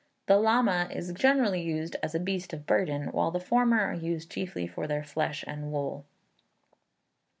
The llama is generally used as a beast of burden, while the former are used chiefly for their flesh and wool.